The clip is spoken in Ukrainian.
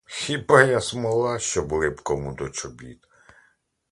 Хіба я смола, щоб я лип кому до чобіт?